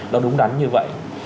nó đúng đắn như vậy